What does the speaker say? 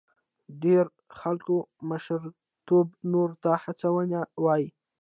ډېر خلک مشرتوب نورو ته هڅونه وایي.